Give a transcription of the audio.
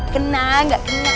kena gak kena